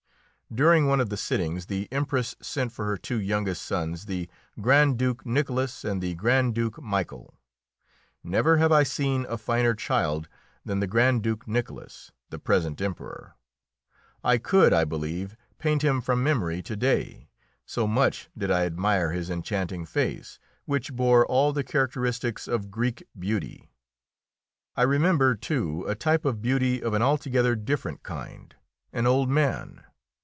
During one of the sittings the Empress sent for her two youngest sons, the Grand Duke Nicholas and the Grand Duke Michael. Never have I seen a finer child than the Grand Duke Nicholas, the present Emperor. I could, I believe, paint him from memory to day, so much did I admire his enchanting face, which bore all the characteristics of Greek beauty. I remember, too, a type of beauty of an altogether different kind an old man.